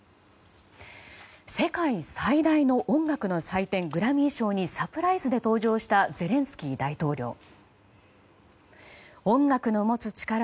世界最大の音楽の祭典グラミー賞にサプライズで登場したゼレンスキー大統領。